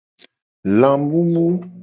Lamumu.